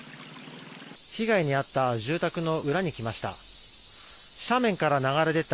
被害に遭った住宅の裏に来ました。